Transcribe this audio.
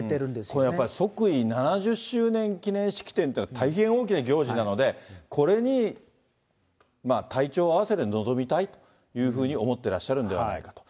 これやっぱり即位７０周年記念式典というのは大変大きな行事なので、これに体調を合わせて臨みたいというふうに思ってらっしゃるんではないかと。